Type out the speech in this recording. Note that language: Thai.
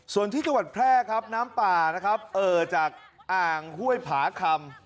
ส่วนที่จังหวัดแพร่ครับน้ำป่านะครับเอ่อจากอ่างห้วยผาคำ